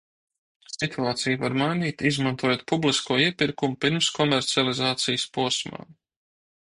Situāciju var mainīt, izmantojot publisko iepirkumu pirmskomercializācijas posmā.